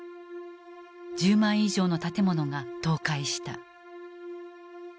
１０万以上の建物が倒壊した。